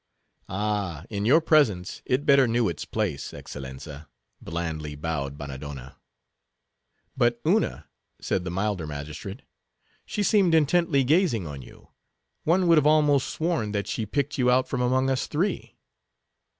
"Ah, in your presence, it better knew its place, Excellenza," blandly bowed Bannadonna. "But, Una," said the milder magistrate, "she seemed intently gazing on you; one would have almost sworn that she picked you out from among us three."